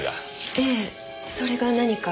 ええそれが何か？